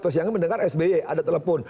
terus siangnya mendengar psbe ada telepon